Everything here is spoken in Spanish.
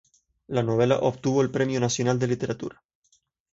La novela obtuvo el premio nacional de literatura.